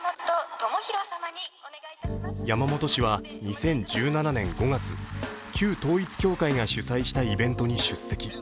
山本氏は２０１７年５月、旧統一教会が主催したイベントに出席。